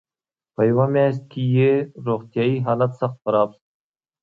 په یوه میاشت کې یې روغتیایي حالت سخت خراب شو.